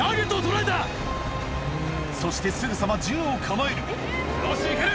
そしてすぐさま銃を構えるよし行ける！